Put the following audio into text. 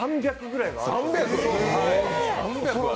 ３００ぐらいは。